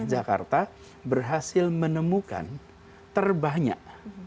jakarta berhasil menemukan terbanyak